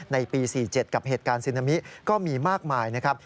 ในปี๔๗กับเหตุการณ์ซึนามิก็มีมากมายนะครับ